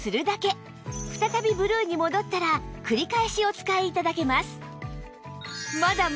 再びブルーに戻ったら繰り返しお使い頂けます